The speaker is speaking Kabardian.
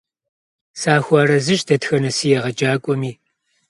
Сахуэарэзыщ дэтхэнэ си егъэджакӀуэми.